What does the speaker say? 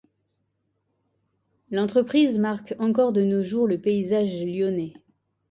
L'entreprise marque encore de nos jours le paysage lyonnais.